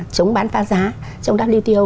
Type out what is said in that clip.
chống bán phá giá trong wto